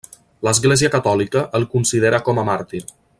L'església catòlica el considera com a màrtir.